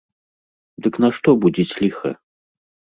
Дык нашто будзіць ліха?